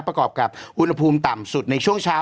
ประกอบกับอุณหภูมิต่ำสุดในช่วงเช้า